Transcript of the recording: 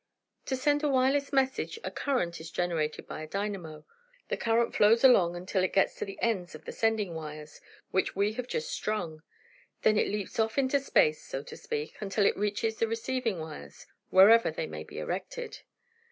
"To send a wireless message a current is generated by a dynamo. The current flows along until it gets to the ends of the sending wires, which we have just strung. Then it leaps off into space, so to speak, until it reaches the receiving wires, wherever they may be erected.